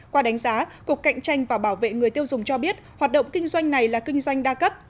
qua đánh giá cục cạnh tranh và bảo vệ người tiêu dùng cho biết hoạt động kinh doanh này là kinh doanh đa cấp